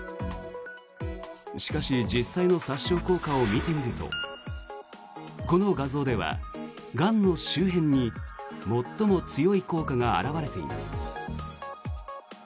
しかし実際の殺傷効果を見てみるとこの画像ではがんの周辺に最も強い効果が表れています。